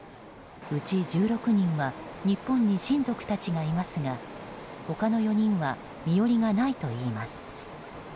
うち１６人は日本に親族たちがいますが他の４人は身寄りがないといいます。